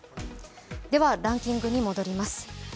ではランキングに戻ります。